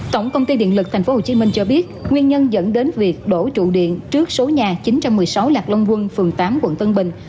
tổng công ty điện lực tp hcm cho biết nguyên nhân dẫn đến việc đổ trụ điện trước số nhà chín trăm một mươi sáu lạc long quân phường tám quận tân bình